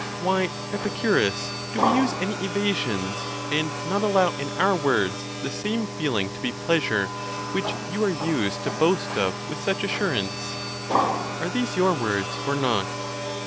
Why, Epicurus, do we use any evasions, ON GRIEF OF MIND. 109 and not allow in our own words the same feeling to be pleasure which you are used to boast of with such assur ance? Are these your words or not?